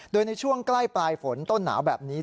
โดยในช่วงใกล้ปลายฝนต้นหนาวแบบนี้